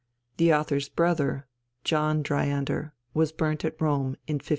The author's brother, John Dryander, was burnt at Rome in 1545.